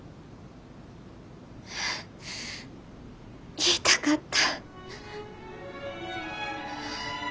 言いたかった。